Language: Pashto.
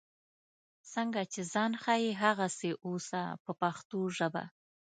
څنګه چې ځان ښیې هغسې اوسه په پښتو ژبه.